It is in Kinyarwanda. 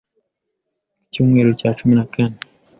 ku Icyumweru cya cumi na kane